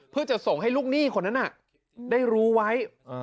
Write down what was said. เพื่อจะส่งให้ลูกหนี้คนนั้นได้รู้ไว้